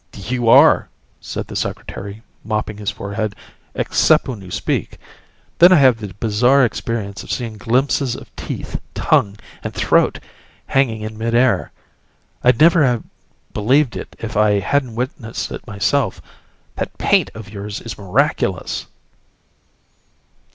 "You are," said the Secretary, mopping his forehead, "except when you speak. Then I have the bizarre experience of seeing glimpses of teeth, tongue and throat hanging in mid air. I'd never have believed it if I hadn't witnessed it myself! That paint of yours is miraculous!"